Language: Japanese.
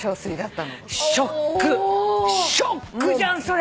ショックじゃんそれ！